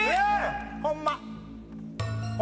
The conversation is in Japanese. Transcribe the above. ホンマ。